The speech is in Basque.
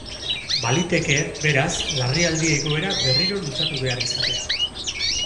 Baliteke, beraz, larrialdi egoera berriro luzatu behar izatea.